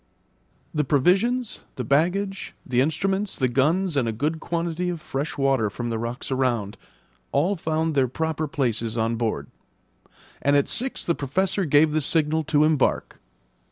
The provisions, the baggage, the instruments, the guns, and a good quantity of fresh water from the rocks around, all found their proper places on board; and at six the Professor gave the signal to embark.